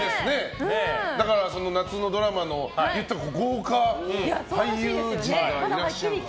夏のドラマの豪華俳優陣がいらっしゃって。